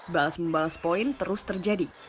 balas membalas poin terus terjadi